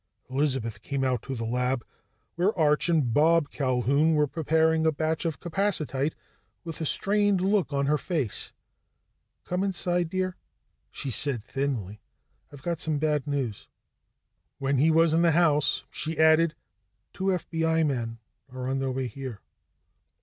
Elizabeth came out to the lab, where Arch and Bob Culquhoun were preparing a batch of capacitite, with a strained look on her face. "Come inside, dear," she said thinly. "I've got some bad news." When he was in the house, she added: "Two FBI men are on their way here."